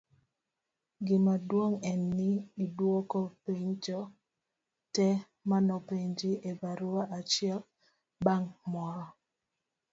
gimaduong' en ni idwoko penjo te manopenji e barua achiel bang' moro